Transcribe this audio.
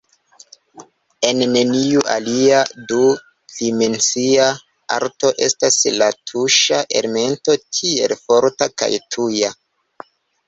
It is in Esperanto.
En neniu alia du-dimensia arto estas la tuŝa elemento tiel forta kaj tuja.